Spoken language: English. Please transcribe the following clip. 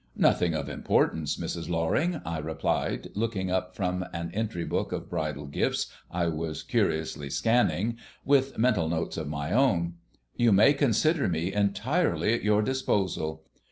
"Nothing of importance, Mrs. Loring," I replied, looking up from an entry book of bridal gifts I was curiously scanning, with mental notes of my own. "You may consider me entirely at your disposal.